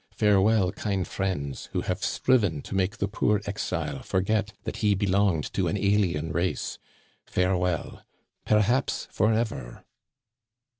Farewell, kind friends, who have striven to make the poor exile forget that he belonged to an alien race. Farewell, perhaps forever."